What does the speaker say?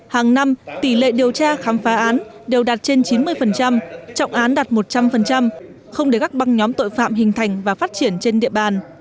hàng năm tỷ lệ điều tra khám phá án đều đạt trên chín mươi trọng án đạt một trăm linh không để các băng nhóm tội phạm hình thành và phát triển trên địa bàn